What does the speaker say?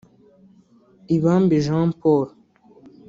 Ibambe Jean Paul